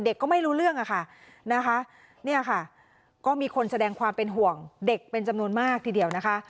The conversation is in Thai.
ก็ไม่รู้เรื่องอะค่ะนะคะเนี่ยค่ะก็มีคนแสดงความเป็นห่วงเด็กเป็นจำนวนมากทีเดียวนะคะ